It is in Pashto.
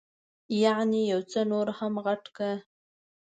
یعنې یو څه یې نور هم غټ کړه.